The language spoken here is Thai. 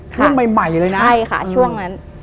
ช่วงใหม่เลยนะใช่ค่ะช่วงนั้น